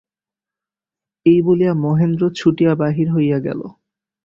এই বলিয়া মহেন্দ্র ছুটিয়া বাহির হইয়া গেল।